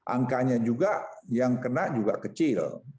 angkanya juga yang kena juga kecil